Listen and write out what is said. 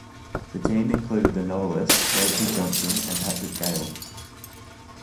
The team included the novelists Rachel Johnson and Patrick Gale.